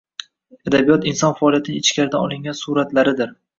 Adabiyot – inson faoliyatining ichkaridan olingan suvratlaridir